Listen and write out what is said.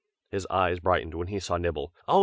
His eyes brightened when he saw Nibble. "Oh!